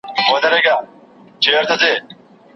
دلته چي هر خوږمن راغلی نیمه خوا وتلی.